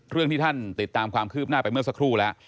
เรื่องที่ท่านติดตามความคืบหน้าไปเมื่อสักครู่แล้ว